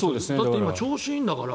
今、調子がいいんだから。